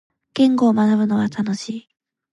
言語を学ぶのは楽しい。